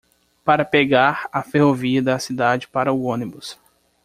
Para pegar a ferrovia da cidade para o ônibus